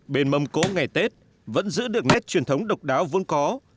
bền mâm cố ngày tết vẫn giữ được nét truyền thống độc đáo vốn có